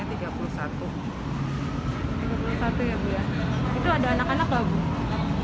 itu ada anak anak bagus